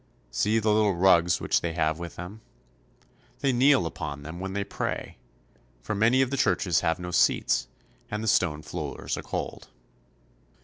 See the little rugs which they have with them. They kneel upon them when they pray, for many of the churches have no seats, and the stone floors are cold.